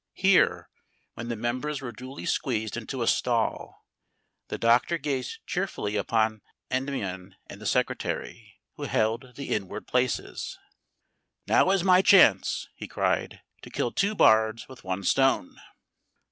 Here, when the members were duly squeezed into a stall, the Doctor gazed cheerfully upon Endymion and the Secretary who held the inward places. "Now is my chance," he cried, "to kill two bards with one stone."